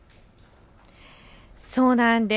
そうなんです。